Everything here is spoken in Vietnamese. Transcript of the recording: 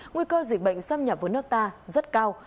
nguy cơ dịch bệnh xâm nhập vào nước ta rất cao